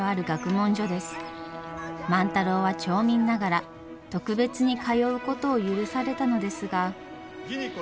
万太郎は町民ながら特別に通うことを許されたのですが。